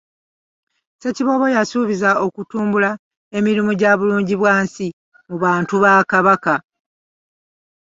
Ssekiboobo yasuubizza okutumbula emirimu gya bulungibwansi mu bantu ba Kabaka.